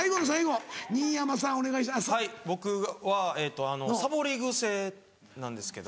はい僕はサボり癖なんですけど。